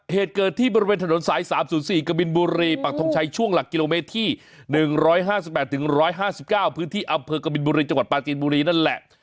เหตุเกิดที่บริเวณถนนสาย๓๐๔กบินบุรีปักทงชัยช่วงหลักกิโลเมตรที่๑๕๘๑๕๙พื้นที่อำเภอกบินบุรีจังหวัดปลาจีนบุรีนั่นแหละ